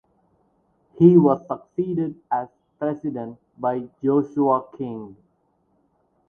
He was succeeded as President by Joshua King.